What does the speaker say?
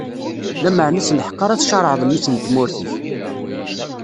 Lameɛna s lḥeqq ara tcaṛɛeḍ mmi-s n tmurt-ik.